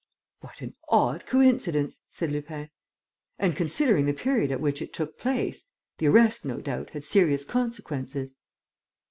"What an odd coincidence!" said Lupin. "And considering the period at which it took place, the arrest, no doubt, had serious consequences?"